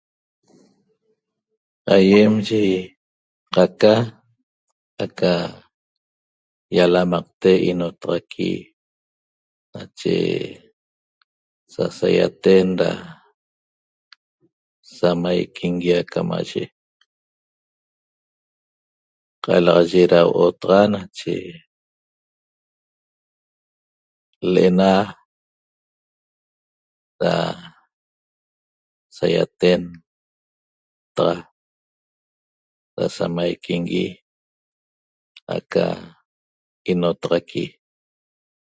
Aiem ye qaca aca yalamaqte inotaxaqui nache sasaiaten ra samaiquingui aca maye qalaxaye ra huo'o taxa nache le'ena ra saiaten taxa ra samaiquingui aca inotaxaqui